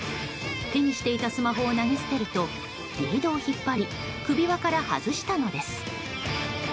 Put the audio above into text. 手にしていたスマホを投げ捨てるとリードを引っ張り首輪から外したのです。